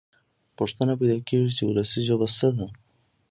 پوښتنه پیدا کېږي چې وولسي ژبه څه ده.